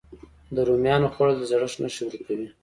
د رومیانو خووړل د زړښت نښې ورو کوي.